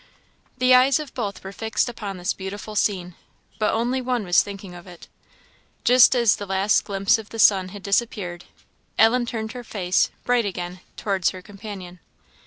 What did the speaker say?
The eyes of both were fixed upon this beautiful scene, but only one was thinking of it. Just as the last glimpse of the sun had disappeared, Ellen turned her face, bright again, towards her companion.